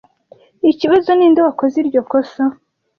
Ikibazo ninde wakoze iryo kosa.